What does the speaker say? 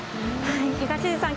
東地さん